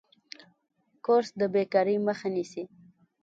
کورس د بیکارۍ مخه نیسي.